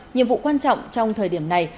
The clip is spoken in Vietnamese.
nhiệm vụ quan trọng trong thời điểm này